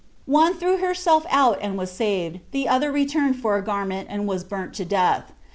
One threw herself out and was saved, the other returned for a garment, and was burnt to death.